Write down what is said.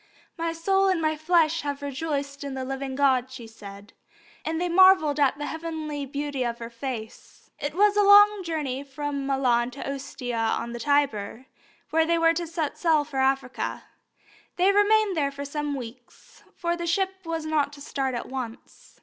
"My soul and my flesh have rejoiced in the living God," she said, and they marvelled at the heavenly beauty of her face. It was a long journey from Milan to Ostia on the Tiber, where they were to set sail for Africa. They remained there for some weeks, for the ship was not to start at once.